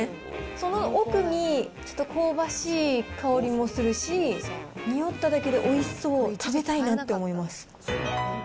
その奥に、ちょっと香ばしい香りもするし、匂っただけでおいしそう、食べたいなって思います。